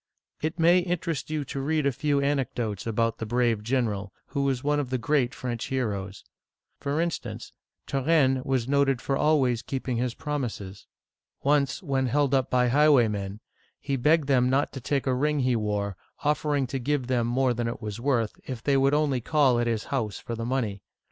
It may interest you to read a few anecdotes about the brave general, who is one of the great French heroes. For instance, Turenne was noted for always keeping his Digitized by Google LOUIS XIV. (1643 171S) 341 promises. Once, when held up by highwaymen, he begged them not to take a ring he wore, offering to give them more than it was worth, if they would only call at his house for the money.